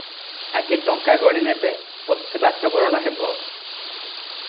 ଆଗେ ଟଙ୍କା ଗଣିନେବେ, ପଛେ ବାଟବରଣ ହେବ ।